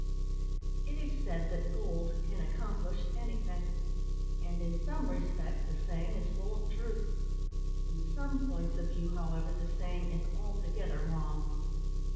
It is said that gold can accomplish anything; and, in some respects, the saying is full of truth; in some points of view, however, the saying is altogether wrong.